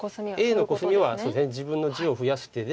Ａのコスミは自分の地を増やす手で。